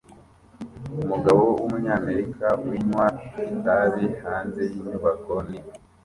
Umugabo wumunyamerika winywa itabi hanze yinyubako nini